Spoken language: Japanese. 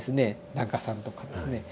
檀家さんとかですね